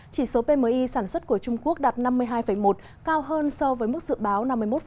chỉ số pmi sản xuất của trung quốc đạt năm mươi hai một cao hơn so với mức dự báo năm mươi một